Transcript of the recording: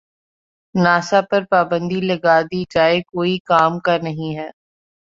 NASA پر پابندی لگا دی جاۓ کوئی کام کا نہیں ہے